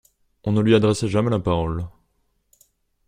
On ne lui adressait jamais la parole.